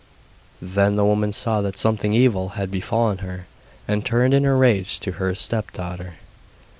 Then the woman saw that something evil had befallen her, and turned in her rage to her stepdaughter.